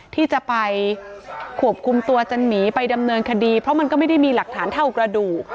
ที่จะไปควบคุมตัวจันหมีไปดำเนินคดีเพราะมันก็ไม่ได้มีหลักฐานเท่ากระดูก